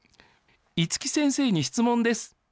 五木先生に質問です。